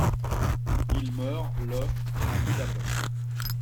Il meurt le à Budapest.